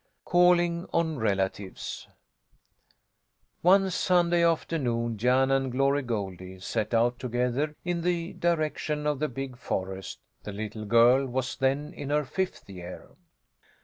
CALLING ON RELATIVES One Sunday afternoon Jan and Glory Goldie set out together in the direction of the big forest; the little girl was then in her fifth year.